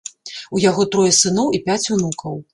У яго трое сыноў і пяць унукаў.